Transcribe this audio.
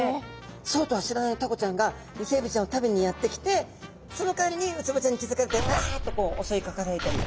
そうとは知らないタコちゃんがイセエビちゃんを食べにやって来てそのかわりにウツボちゃんに気付かれてうわっとこうおそいかかられたり。